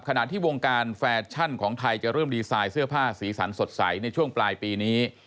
ขณะที่วงการแฟชั่นของไทยจะเริ่มดีไซน์เสื้อผ้าสีสันสดใสในช่วงปลายปีนี้